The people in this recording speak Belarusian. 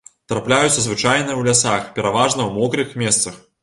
Трапляюцца звычайна ў лясах, пераважна ў мокрых месцах.